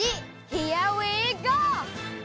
ヒアウィーゴー！